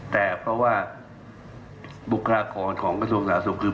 แต่เพราะว่าบุคลากรของกระทรวงศาลนักศึกษ์คือ